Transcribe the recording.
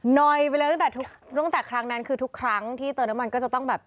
หน่อยไปเลยตั้งแต่ครั้งนั้นคือทุกครั้งที่เติมน้ำมันก็จะต้องแบบ